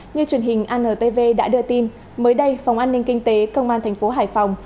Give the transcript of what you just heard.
như truyền hình antv đã đưa tin mới đây phòng an ninh kinh tế công an tp hải phòng